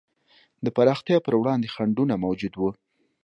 د پراختیا پر وړاندې خنډونه موجود وو.